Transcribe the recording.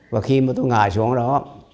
và khi mà tôi ngại xuống đó